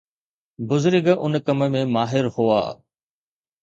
بزرگ ان ڪم ۾ ماهر هئا.